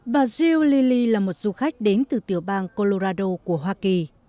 bà jill lilly là một du khách đến từ tiểu bang colorado của hoa kỳ